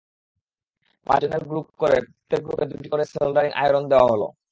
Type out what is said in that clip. পাঁচজনের গ্রুপ করে প্রত্যেক গ্রুপে দুটি করে সোলডারিং আয়রন দেওয়া হলো।